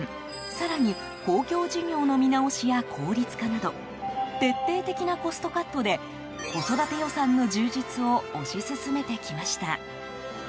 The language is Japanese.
更に公共事業の見直しや効率化など徹底的なコストカットで子育て予算の充実を推し進めてきました。